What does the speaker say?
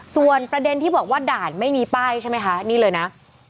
ส่วนประเด็นที่บอกว่าด่านไม่มีป้ายใช่ไหมคะนี่เลยนะ